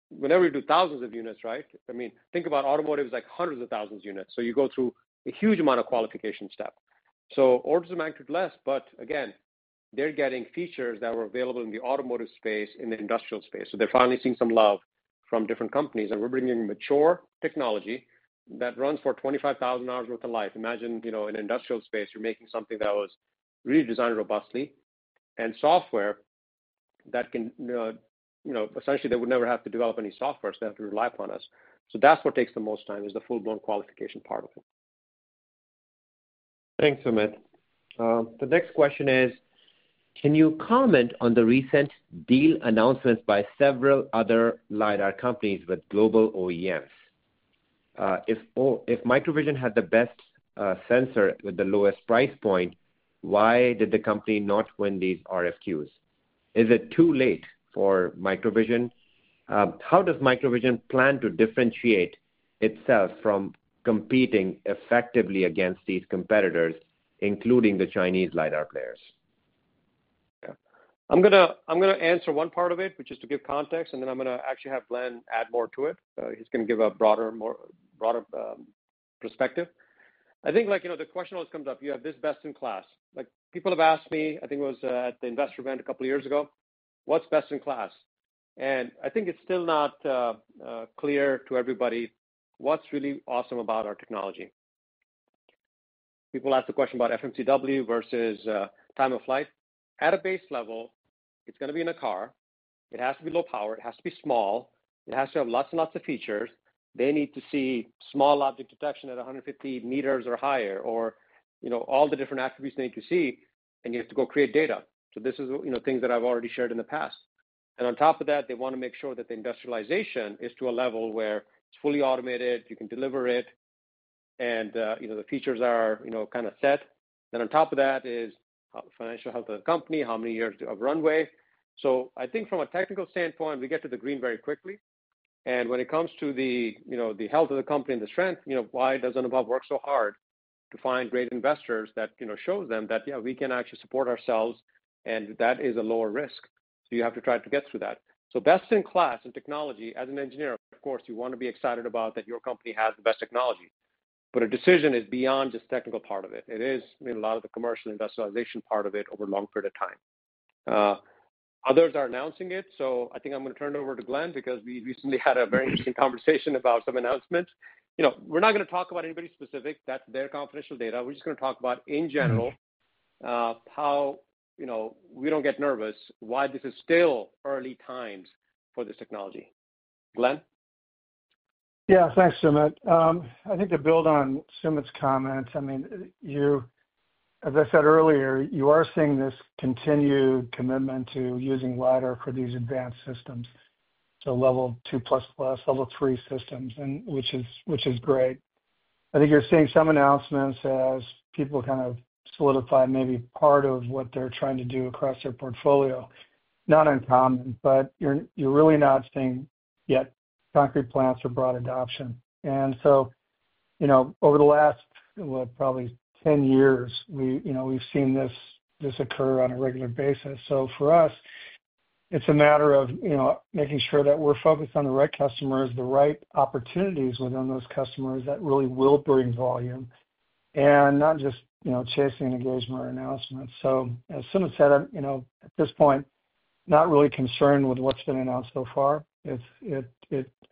Whenever you do thousands of units, right? I mean, think about automotive is like hundreds of thousands of units. You go through a huge amount of qualification step. Orders of magnitude less, but again, they're getting features that were available in the automotive space, in the industrial space. They're finally seeing some love from different companies. We're bringing mature technology that runs for 25,000 hours' worth of life. Imagine in industrial space, you're making something that was redesigned robustly and software that can essentially they would never have to develop any software, so they have to rely upon us. That's what takes the most time is the full-blown qualification part of it. Thanks, Sumit. The next question is, can you comment on the recent deal announcements by several other lidar companies with global OEMs? If MicroVision had the best sensor with the lowest price point, why did the company not win these RFQs? Is it too late for MicroVision? How does MicroVision plan to differentiate itself from competing effectively against these competitors, including the Chinese lidar players? I'm going to answer one part of it, which is to give context, and then I'm to actually have Glen add more to it. He's going to give a broader perspective. I think the question always comes up, "You have this best in class." People have asked me, I think it was at the investor event a couple of years ago, "What's best in class?" I think it's still not clear to everybody what's really awesome about our technology. People ask the question about FMCW versus time of flight. At a base level, it's going to be in a car. It has to be low power. It has to be small. It has to have lots and lots of features. They need to see small object detection at 150 m or higher or all the different attributes they need to see, and you have to go create data. This is things that I've already shared in the past. On top of that, they want to make sure that the industrialization is to a level where it's fully automated, you can deliver it, and the features are kind of set. On top of that is financial health of the company, how many years of runway. I think from a technical standpoint, we get to the green very quickly. When it comes to the health of the company and the strength, why does Anubhav work so hard to find great investors that shows them that, "Yeah, we can actually support ourselves, and that is a lower risk." You have to try to get through that. Best in class in technology, as an engineer, of course, you want to be excited about that your company has the best technology. A decision is beyond just technical part of it. It is a lot of the commercial industrialization part of it over a long period of time. Others are announcing it. I think I'm going to turn it over to Glen because we recently had a very interesting conversation about some announcements. We're not going to talk about anybody specific. That's their confidential data. We're just going to talk about, in general, how we don't get nervous why this is still early times for this technology. Glen? Yeah. Thanks, Sumit. I think to build on Sumit's comments, I mean, as I said earlier, you are seeing this continued commitment to using LiDAR for these advanced systems, so level two plus plus, level three systems, which is great. I think you're seeing some announcements as people kind of solidify maybe part of what they're trying to do across their portfolio. Not uncommon, but you're really not seeing yet concrete plans or broad adoption. Over the last, probably 10 years, we've seen this occur on a regular basis. For us, it's a matter of making sure that we're focused on the right customers, the right opportunities within those customers that really will bring volume and not just chasing engagement or announcements. As Sumit said, at this point, not really concerned with what's been announced so far.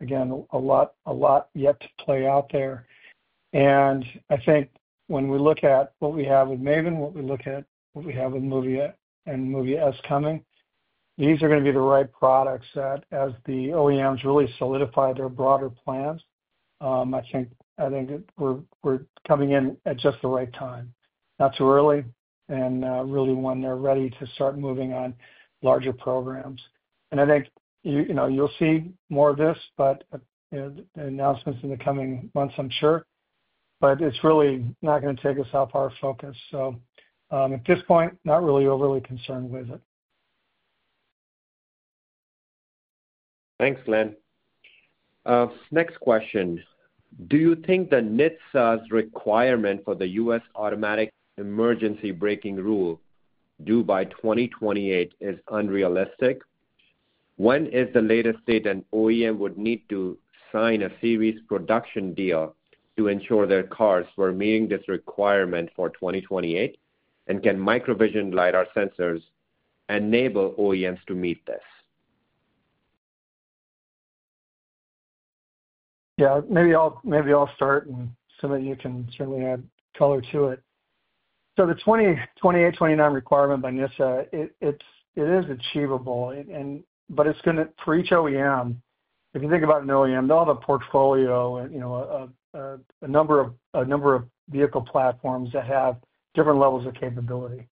Again, a lot yet to play out there. I think when we look at what we have with MAVIN, what we look at what we have with NVIDIA and MOVIA S coming, these are going to be the right products that, as the OEMs really solidify their broader plans, I think we're coming in at just the right time, not too early, and really when they're ready to start moving on larger programs. I think you'll see more of this, announcements in the coming months, I'm sure. It's really not going to take us off our focus. At this point, not really overly concerned with it. Thanks, Glen. Next question. Do you think the NHTSA requirement for the U.S. automatic emergency braking rule due by 2028 is unrealistic? When is the latest date an OEM would need to sign a series production deal to ensure their cars were meeting this requirement for 2028? Can MicroVision LiDAR sensors enable OEMs to meet this? Yeah. Maybe I'll start, and Sumit, you can certainly add color to it. The 2028, 2029 requirement by NHTSA, it is achievable, but it's going to, for each OEM, if you think about an OEM, they'll have a portfolio and a number of vehicle platforms that have different levels of capability.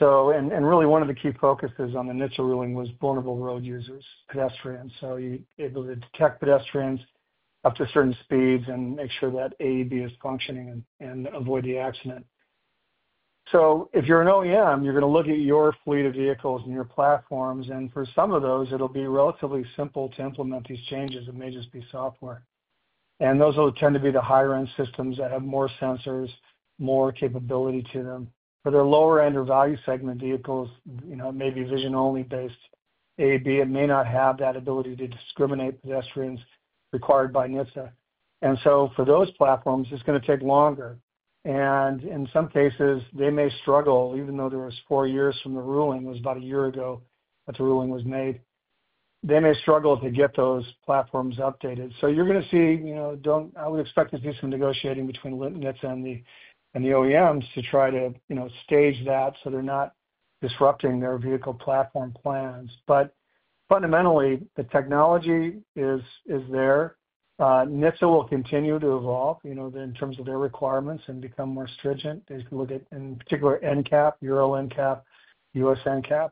Really, one of the key focuses on the NHTSA ruling was vulnerable road users, pedestrians. You're able to detect pedestrians up to certain speeds and make sure that AEB is functioning and avoid the accident. If you're an OEM, you're going to look at your fleet of vehicles and your platforms. For some of those, it'll be relatively simple to implement these changes. It may just be software. Those will tend to be the higher-end systems that have more sensors, more capability to them. For their lower-end or value segment vehicles, maybe vision-only based AEB, it may not have that ability to discriminate pedestrians required by NHTSA. For those platforms, it's going to take longer. In some cases, they may struggle, even though there was four years from the ruling, it was about a year ago that the ruling was made, they may struggle to get those platforms updated. You're going to see I would expect to see some negotiating between NHTSA and the OEMs to try to stage that so they're not disrupting their vehicle platform plans. Fundamentally, the technology is there. NHTSA will continue to evolve in terms of their requirements and become more stringent. They can look at, in particular, NCAP, Euro NCAP, U.S. NCAP.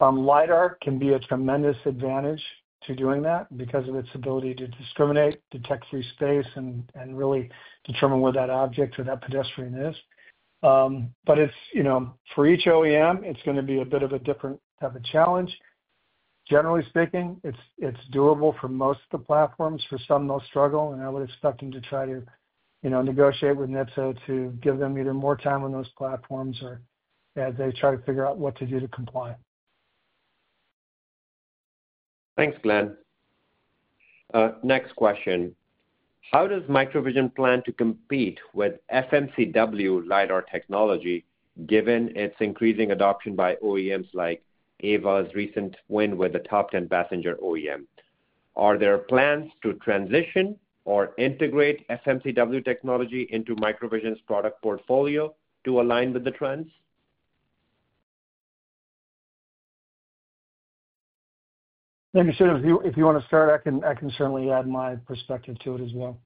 LiDAR can be a tremendous advantage to doing that because of its ability to discriminate, detect free space, and really determine where that object or that pedestrian is. For each OEM, it's going to be a bit of a different type of challenge. Generally speaking, it's doable for most of the platforms. For some, they'll struggle. I would expect them to try to negotiate with NHTSA to give them either more time on those platforms or as they try to figure out what to do to comply. Thanks, Glen. Next question. How does MicroVision plan to compete with FMCW LiDAR technology given its increasing adoption by OEMs like Aeva's recent win with the top 10 passenger OEM? Are there plans to transition or integrate FMCW technology into MicroVision's product portfolio to align with the trends? Like I said, if you want to start, I can certainly add my perspective to it as well.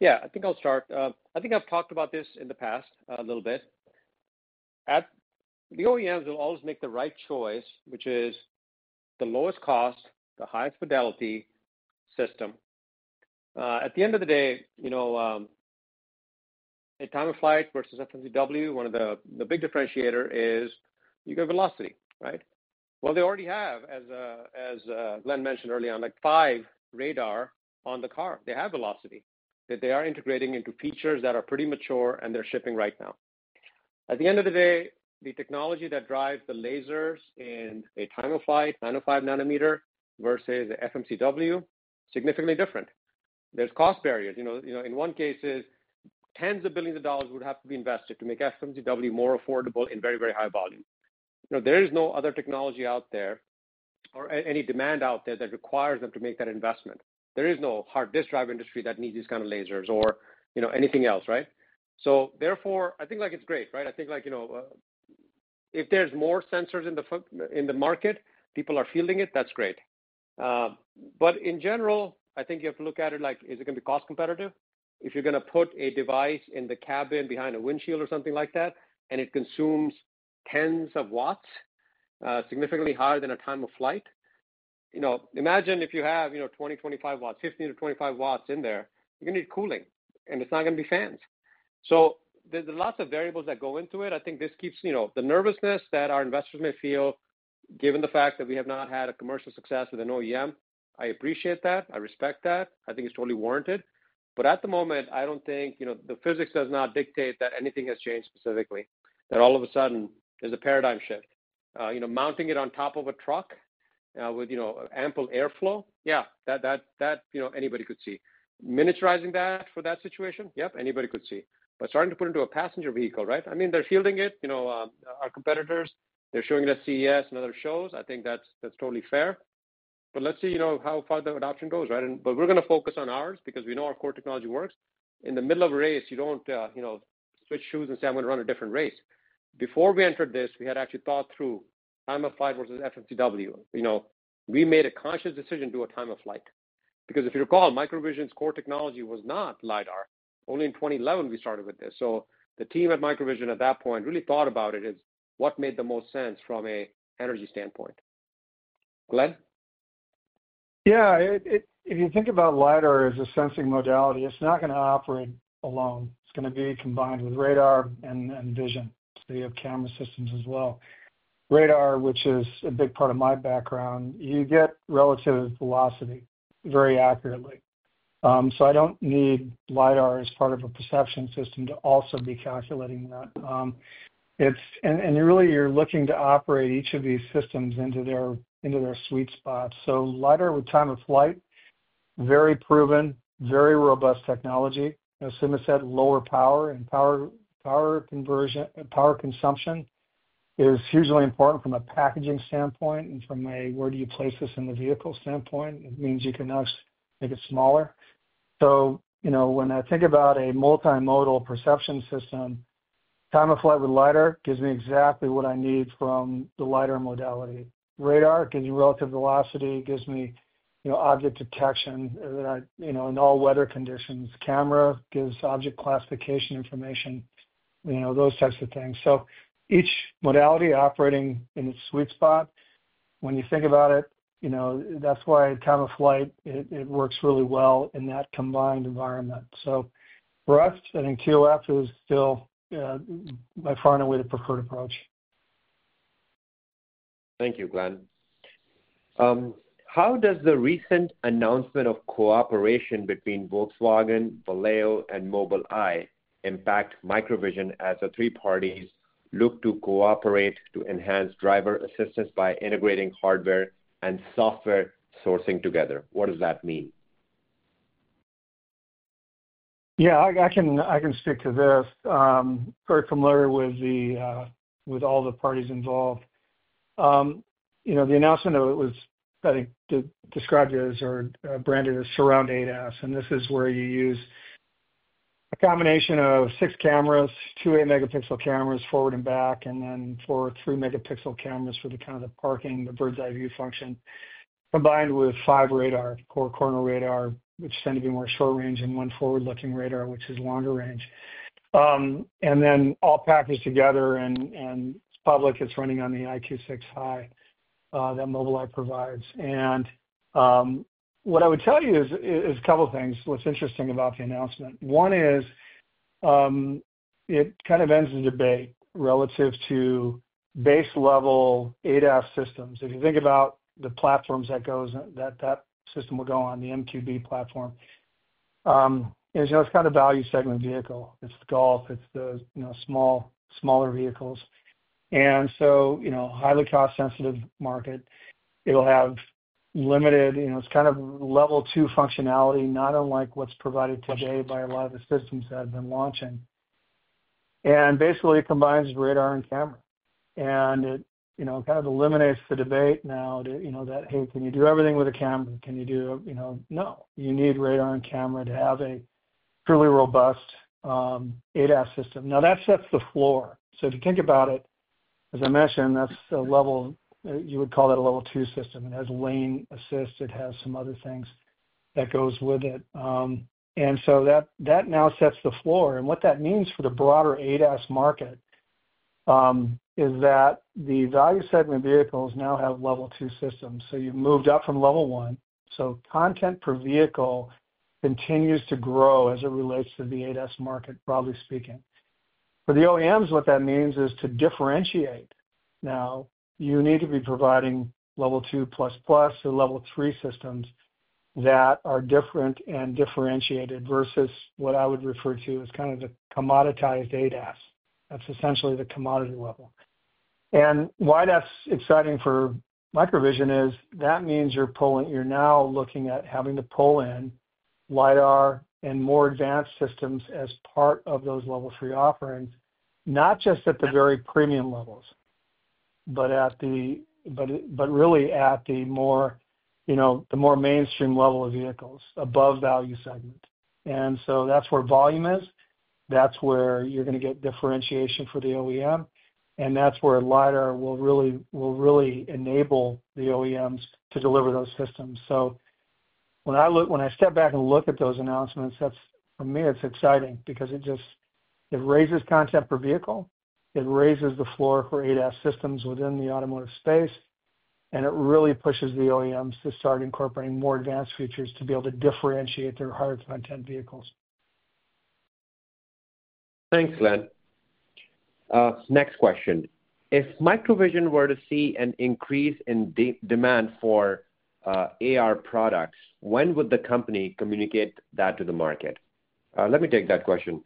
Yeah. I think I'll start. I think I've talked about this in the past a little bit. The OEMs will always make the right choice, which is the lowest cost, the highest fidelity system. At the end of the day, at time of flight versus FMCW, one of the big differentiators is you get velocity, right? They already have, as Glen mentioned early on, five radars on the car. They have velocity. They are integrating into features that are pretty mature, and they're shipping right now. At the end of the day, the technology that drives the lasers in a time of flight, 905 nanometer versus the FMCW, is significantly different. There's cost barriers. In one case, tens of billions of dollars would have to be invested to make FMCW more affordable in very, very high volume. There is no other technology out there or any demand out there that requires them to make that investment. There is no hard disk drive industry that needs these kinds of lasers or anything else, right? I think it's great, right? I think if there's more sensors in the market, people are fielding it, that's great. In general, I think you have to look at it like, is it going to be cost competitive? If you're going to put a device in the cabin behind a windshield or something like that, and it consumes tens of watts, significantly higher than a time of flight, imagine if you have 20 W-25 W, 15 W-25 W in there, you're going to need cooling, and it's not going to be fans. There's lots of variables that go into it. I think this keeps the nervousness that our investors may feel, given the fact that we have not had a commercial success with an OEM, I appreciate that. I respect that. I think it's totally warranted. At the moment, I don't think the physics does not dictate that anything has changed specifically, that all of a sudden there's a paradigm shift. Mounting it on top of a truck with ample airflow, yeah, that anybody could see. Miniaturizing that for that situation, yep, anybody could see. Starting to put it into a passenger vehicle, right? I mean, they're fielding it. Our competitors, they're showing us CES and other shows. I think that's totally fair. Let's see how far the adoption goes, right? We're going to focus on ours because we know our core technology works. In the middle of a race, you don't switch shoes and say, "I'm going to run a different race." Before we entered this, we had actually thought through time of flight versus FMCW. We made a conscious decision to do a time of flight. Because if you recall, MicroVision's core technology was not LiDAR. Only in 2011, we started with this. So the team at MicroVision at that point really thought about it as what made the most sense from an energy standpoint. Glen? Yeah. If you think about LiDAR as a sensing modality, it's not going to operate alone. It's going to be combined with radar and vision. You have camera systems as well. Radar, which is a big part of my background, you get relative velocity very accurately. I don't need LiDAR as part of a perception system to also be calculating that. Really, you're looking to operate each of these systems into their sweet spots. LiDAR with time of flight, very proven, very robust technology. As Sumit said, lower power and power consumption is hugely important from a packaging standpoint and from a where do you place this in the vehicle standpoint. It means you can actually make it smaller. When I think about a multimodal perception system, time of flight with LiDAR gives me exactly what I need from the LiDAR modality. Radar gives me relative velocity, gives me object detection in all weather conditions. Camera gives object classification information, those types of things. Each modality operating in its sweet spot, when you think about it, that's why time of flight, it works really well in that combined environment. For us, I think TOF is still by far and away the preferred approach. Thank you, Glen. How does the recent announcement of cooperation between Volkswagen, Valeo, and Mobileye impact MicroVision as the three parties look to cooperate to enhance driver assistance by integrating hardware and software sourcing together? What does that mean? Yeah. I can speak to this. Very familiar with all the parties involved. The announcement of it was, I think, described as or branded as Surround ADAS. This is where you use a combination of six cameras, two 8-megapixel cameras forward and back, and then four 3-megapixel cameras for the kind of the parking, the bird's-eye view function, combined with five radar, four corner radar, which tend to be more short-range, and one forward-looking radar, which is longer range. All packaged together, and it's public. It's running on the EyeQ6 High that Mobileye provides. What I would tell you is a couple of things. What's interesting about the announcement? One is it kind of ends the debate relative to base-level ADAS systems. If you think about the platforms that that system will go on, the MQB platform, it's kind of a value-segment vehicle. It's the Golf. It's the smaller vehicles. And so highly cost-sensitive market. It'll have limited, it's kind of level two functionality, not unlike what's provided today by a lot of the systems that have been launching. Basically, it combines radar and camera. It kind of eliminates the debate now that, "Hey, can you do everything with a camera? Can you do a?" No. You need radar and camera to have a truly robust ADAS system. That sets the floor. If you think about it, as I mentioned, that's a level you would call that a level two system. It has lane assist. It has some other things that goes with it. That now sets the floor. What that means for the broader ADAS market is that the value-segment vehicles now have level two systems. You've moved up from level one. Content per vehicle continues to grow as it relates to the ADAS market, broadly speaking. For the OEMs, what that means is to differentiate. Now, you need to be providing level two plus plus or level three systems that are different and differentiated versus what I would refer to as kind of the commoditized ADAS. That is essentially the commodity level. Why that is exciting for MicroVision is that means you are now looking at having to pull in LiDAR and more advanced systems as part of those level three offerings, not just at the very premium levels, but really at the more mainstream level of vehicles above value segment. That is where volume is. That is where you are going to get differentiation for the OEM. That is where LiDAR will really enable the OEMs to deliver those systems. When I step back and look at those announcements, for me, it's exciting because it raises content per vehicle. It raises the floor for ADAS systems within the automotive space. It really pushes the OEMs to start incorporating more advanced features to be able to differentiate their higher content vehicles. Thanks, Glen. Next question. If MicroVision were to see an increase in demand for AR products, when would the company communicate that to the market? Let me take that question.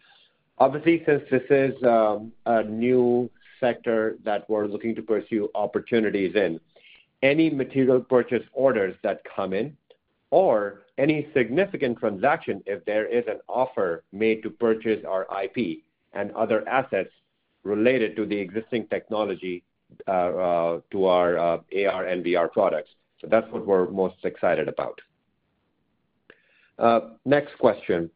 Obviously, since this is a new sector that we're looking to pursue opportunities in, any material purchase orders that come in or any significant transaction if there is an offer made to purchase our IP and other assets related to the existing technology to our AR and VR products. That's what we're most excited about. Next question.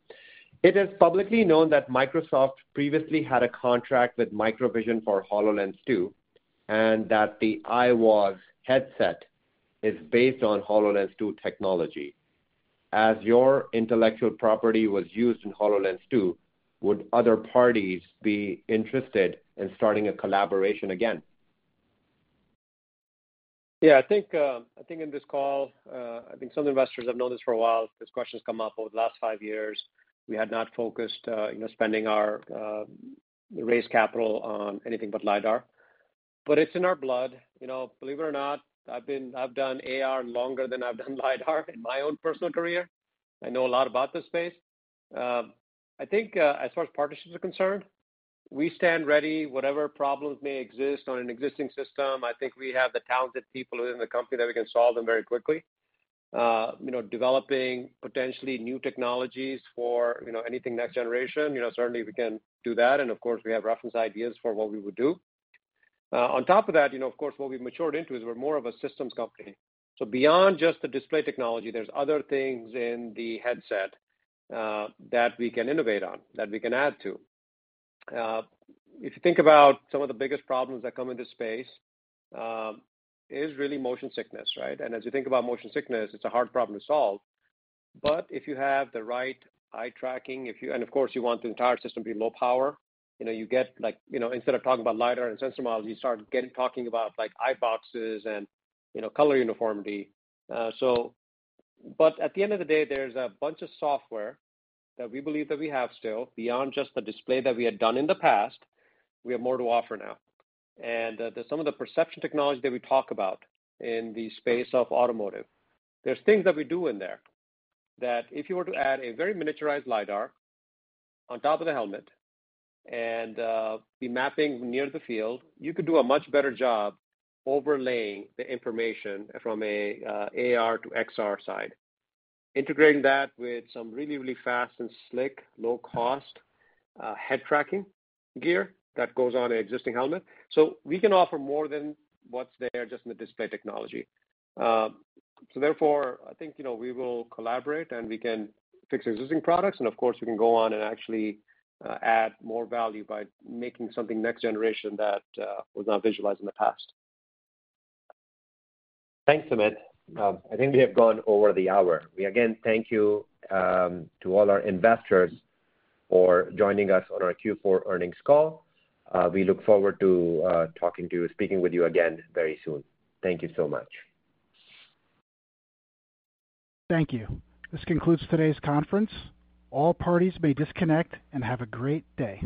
It is publicly known that Microsoft previously had a contract with MicroVision for HoloLens 2 and that the IVAS headset is based on HoloLens 2 technology. As your intellectual property was used in HoloLens 2, would other parties be interested in starting a collaboration again? Yeah. I think in this call, I think some investors have known this for a while. This question has come up over the last five years. We had not focused spending our raised capital on anything but LiDAR. It is in our blood. Believe it or not, I've done AR longer than I've done LiDAR in my own personal career. I know a lot about the space. I think as far as partnerships are concerned, we stand ready. Whatever problems may exist on an existing system, I think we have the talented people within the company that we can solve them very quickly. Developing potentially new technologies for anything next generation, certainly we can do that. Of course, we have reference ideas for what we would do. On top of that, of course, what we've matured into is we're more of a systems company. Beyond just the display technology, there's other things in the headset that we can innovate on, that we can add to. If you think about some of the biggest problems that come in this space, it is really motion sickness, right? As you think about motion sickness, it's a hard problem to solve. If you have the right eye tracking, and of course, you want the entire system to be low power, you get instead of talking about LiDAR and sensor models, you start talking about eyeboxes and color uniformity. At the end of the day, there's a bunch of software that we believe that we have still beyond just the display that we had done in the past. We have more to offer now. There's some of the perception technology that we talk about in the space of automotive. are things that we do in there that if you were to add a very miniaturized LiDAR on top of the helmet and be mapping near the field, you could do a much better job overlaying the information from an AR to XR side, integrating that with some really, really fast and slick, low-cost head tracking gear that goes on an existing helmet. We can offer more than what's there just in the display technology. Therefore, I think we will collaborate and we can fix existing products. Of course, we can go on and actually add more value by making something next generation that was not visualized in the past. Thanks, Sumit. I think we have gone over the hour. We again thank you to all our investors for joining us on our Q4 Earnings Call. We look forward to speaking with you again very soon. Thank you so much. Thank you. This concludes today's conference. All parties may disconnect and have a great day.